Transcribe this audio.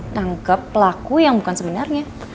tangkep pelaku yang bukan sebenarnya